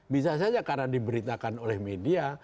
bisa saja karena diberitakan oleh media